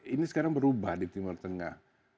ini sekarang berubah di timur tengah